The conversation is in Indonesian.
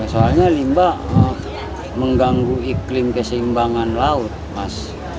soalnya limba mengganggu iklim keseimbangan laut mas